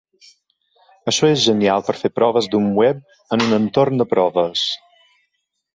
Això és genial per fer proves d'un web en un entorn de proves.